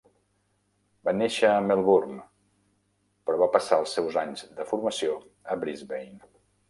Va néixer a Melbourne, però va passar els seus anys de formació a Brisbane.